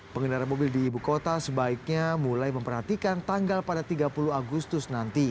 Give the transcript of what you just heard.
pengendara mobil di ibu kota sebaiknya mulai memperhatikan tanggal pada tiga puluh agustus nanti